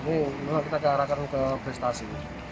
ini kita kearahkan ke prestasi